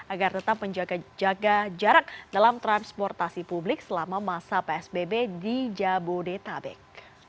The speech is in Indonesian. agar tetap menjaga jarak dalam transportasi publik selama masa psbb di jabodetabek